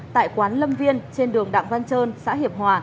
tại quán lâm viên trên đường đặng văn trơn xã hiệp hòa